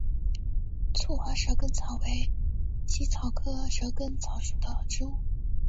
簇花蛇根草为茜草科蛇根草属的植物。